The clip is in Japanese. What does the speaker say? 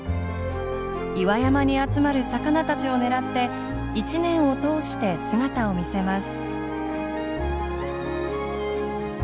岩山に集まる魚たちを狙って一年を通して姿を見せます。